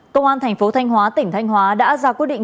công an tp thanh hóa tỉnh thanh hóa đã ra quyết định